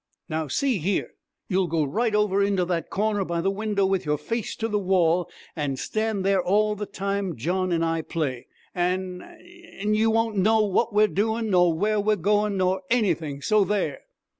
Now see here, you'll go right over into that corner by the window with your face to the wall and stand there all the time John and I play! An' an' you won't know what we're doing nor where we're going nor anything so there!'